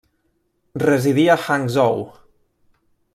Residí a Hangzhou.